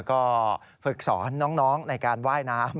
ก็ฝึกสอนน้องในการว่ายน้ำ